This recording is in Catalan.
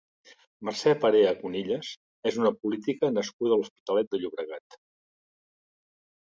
Mercè Perea Conillas és una política nascuda a l'Hospitalet de Llobregat.